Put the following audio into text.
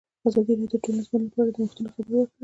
ازادي راډیو د ټولنیز بدلون په اړه د نوښتونو خبر ورکړی.